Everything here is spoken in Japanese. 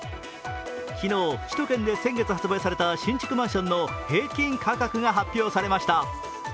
昨日、首都圏で先月発売された新築マンションの平均価格が発表されました。